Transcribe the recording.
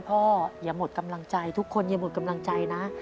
พ่ออย่าหมดกำลังใจทุกคนอย่าหมดกำลังใจนะ